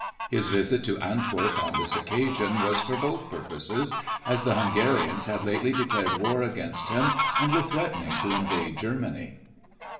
His visit to Antwerp, on this occasion, was for both purposes, as the Hungarians had lately declared war against him and were threatening to invade Germany.